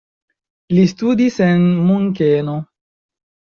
Li studis en Munkeno.